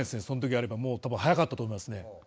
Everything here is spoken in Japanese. そんときあればたぶん早かったと思いますね